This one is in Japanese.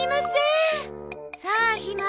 さあひま。